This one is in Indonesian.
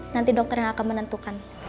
nanti dokter yang akan menentukan